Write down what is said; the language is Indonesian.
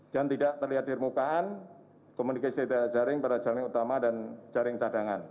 dan tidak terlihat di permukaan komunikasi dari jaring pada jaring utama dan jaring cadangan